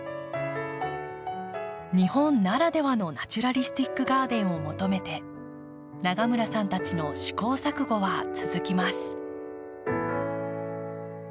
日本ならではのナチュラリスティックガーデンを求めて永村さんたちの試行錯誤は続きます。